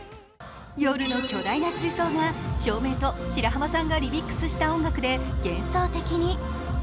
夜の巨大な水槽が照明と白浜さんがリミックスした音楽で幻想的に。